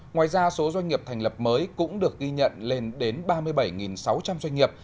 ngoài ra số doanh nghiệp thành lập mới cũng được ghi nhận lên đến ba mươi bảy sáu trăm linh doanh nghiệp